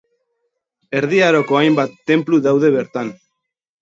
Erdi Aroko hainbat tenplu daude bertan.